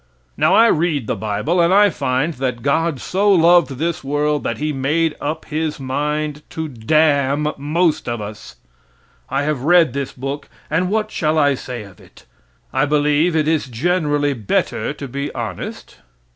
Now, I read the bible, and I find that God so loved this world that He made up His mind to damn the most of us. I have read this book, and what shall I say of it? I believe it is generally better to be honest.